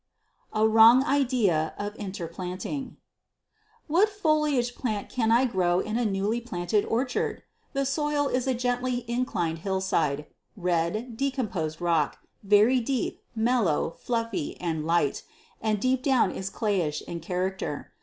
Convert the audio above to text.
A Wrong Idea of Inter Planting. What forage plant can I grow in a newly planted orchard? The soil is on a gently inclined hillside red, decomposed rock, very deep, mellow, fluffy, and light, and deep down is clayish in character.